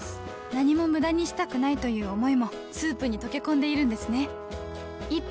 何も無駄にしたくないという想いもスープに溶け込んでいるんですね